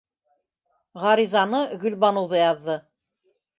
Ғаризаны Гөлбаныу ҙа яҙҙы.